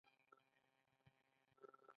ریښتیني ازاد او ویښ ملتونه هڅې کوي.